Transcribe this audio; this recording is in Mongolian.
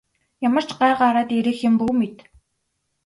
Ямар ч гай гараад ирэх юм бүү мэд.